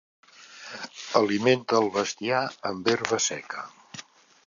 Alimenta el bestiar amb herba seca.